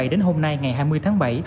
đến hôm nay ngày hai mươi tháng bảy